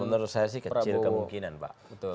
menurut saya sih kecil kemungkinan pak